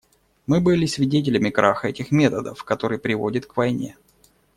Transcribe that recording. Мы были свидетелями краха этих методов, который приводит к войне.